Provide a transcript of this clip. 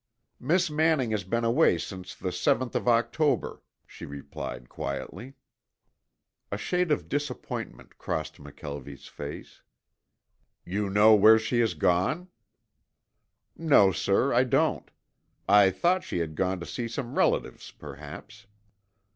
"Miss Manning has been away since the seventh of October," she replied quietly. A shade of disappointment crossed McKelvie's face. "You know where she has gone?" "No, sir. I don't. I thought she had gone to see some relatives, perhaps."